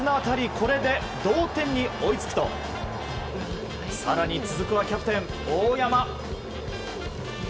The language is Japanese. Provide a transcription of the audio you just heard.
これで同点に追いつくと更に続くはキャプテン、大山。